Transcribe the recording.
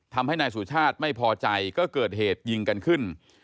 ทำให้นายสุชาติไม่พอใจก็เกิดเหตุยิงกันขึ้น